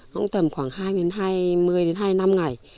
cũng tầm khoảng hai mươi đến hai mươi năm ngày